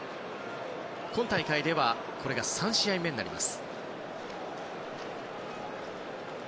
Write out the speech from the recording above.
今大会ではこれが３試合目になります。